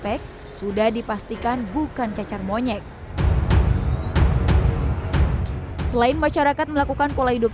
pack sudah dipastikan bukan cacar monyet selain masyarakat melakukan pola hidup